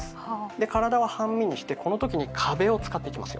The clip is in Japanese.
で体は半身にしてこの時に壁を使っていきますよ。